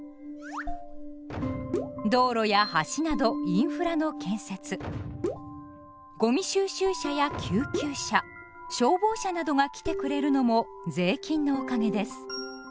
道路や橋などインフラの建設ゴミ収集車や救急車消防車などが来てくれるのも税金のおかげです。